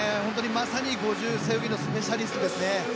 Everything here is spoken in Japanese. まさに５０ｍ背泳ぎのスペシャリストですね。